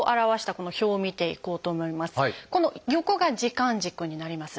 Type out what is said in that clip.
この横が時間軸になります。